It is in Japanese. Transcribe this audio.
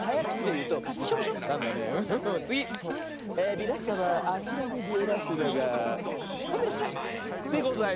みなさまあちらにみえますのが「ファミレスラ」でございます。